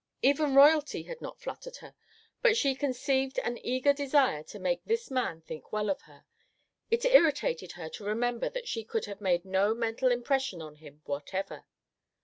Even royalty had not fluttered her, but she conceived an eager desire to make this man think well of her. It irritated her to remember that she could have made no mental impression on him whatever.